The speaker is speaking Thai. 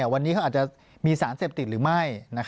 วันนี้เขาอาจจะมีสารเสพติดหรือไม่